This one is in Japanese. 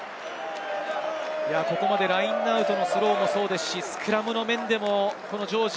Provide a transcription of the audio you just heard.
ここまでラインアウトもそうですし、スクラムの面でもジョージ。